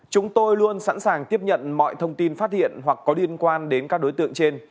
chúng tôi luôn sẵn sàng tiếp nhận mọi thông tin phát hiện hoặc có liên quan đến các đối tượng trên